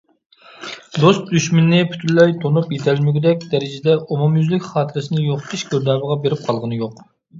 دوست - دۈشمىنىنى پۈتۈنلەي تونۇپ يېتەلمىگۈدەك دەرىجىدە ئومۇميۈزلۈك خاتىرىسىنى يوقىتىش گىردابىغا بېرىپ قالغىنى يوق.